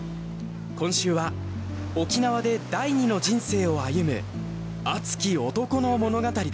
今週は沖縄で第二の人生を歩む熱き男の物語です。